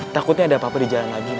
takutnya ada apa apa di jalan lagi